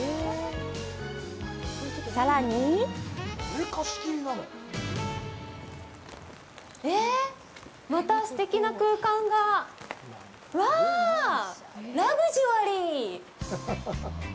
さらにえ、またすてきな空間がわあ、ラグジュアリー。